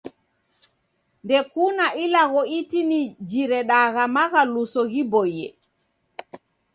Ndekuna ilagho itini jiredagha maghaluso ghiboie.